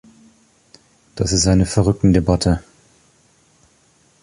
Das ist eine Verrücktendebatte!